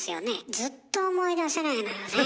ずっと思い出せないのよね。